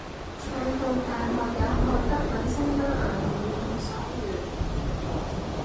上到大學有學德文西班牙文同手語